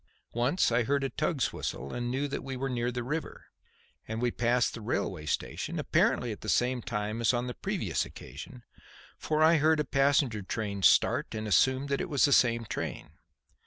Once I heard a tug's whistle and knew that we were near the river, and we passed the railway station, apparently at the same time as on the previous occasion, for I heard a passenger train start and assumed that it was the same train.